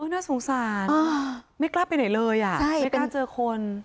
น่าสงสารไม่กล้าไปไหนเลยไม่กล้าเจอคน